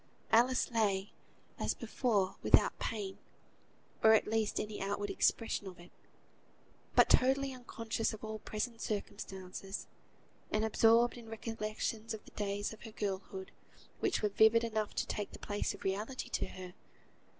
Alice lay, as before, without pain, or at least any outward expression of it; but totally unconscious of all present circumstances, and absorbed in recollections of the days of her girlhood, which were vivid enough to take the place of realities to her.